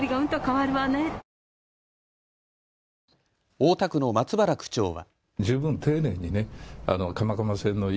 大田区の松原区長は。